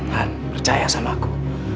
han percaya sama aku